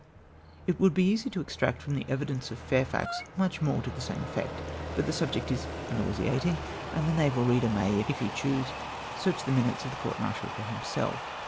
It would be easy to extract from the evidence of Fakfax much more to the same effect ; but the subject is nauseatmg, and the naval reader may, if he choose, search the Minutes of the court martial for himself.